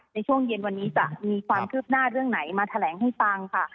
ในช่วงเย็นวันนี้จะมีความคืบหน้าเรื่องไหนมาแถลงให้ฟังค่ะ